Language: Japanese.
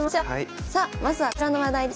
さあまずはこちらの話題です。